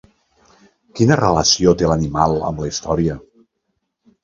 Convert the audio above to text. Quina relació té l'animal amb la història?